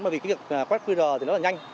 bởi vì việc qr thì rất là nhanh